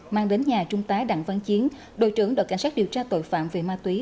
mang đến nhà trung tá đặng văn chiến đội trưởng đội cảnh sát điều tra tội phạm về ma túy